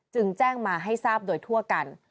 จึงแจ้งมาให้ทราบโดยทั่วกัน